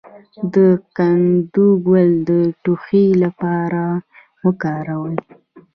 د کدو ګل د ټوخي لپاره وکاروئ